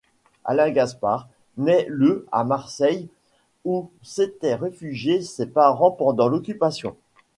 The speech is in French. Alain Jaspard naît le à Marseille où s’étaient réfugiés ses parents pendant l’occupation.